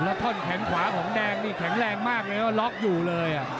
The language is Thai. แล้วท่อนแขนขวาของแดงนี่แข็งแรงมากเลยว่าล็อกอยู่เลย